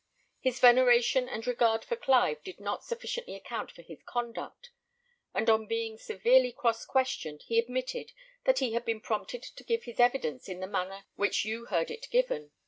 His veneration and regard for Clive did not sufficiently account for his conduct; and on being severely cross questioned, he admitted that he had been prompted to give his evidence in the manner which you heard it given.